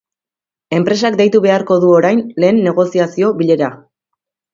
Enpresak deitu beharko du orain lehen negoziazio bilera.